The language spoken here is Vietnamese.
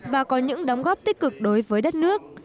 và có những đóng góp tích cực đối với đất nước